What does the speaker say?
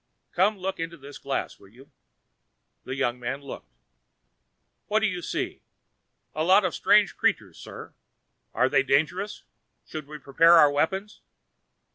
"Come look into this glass, will you." The young man looked. "What do you see?" "A lot of strange creatures, sir. Are they dangerous? Should we prepare our weapons?"